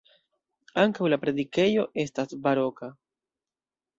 Ankaŭ la predikejo estas baroka.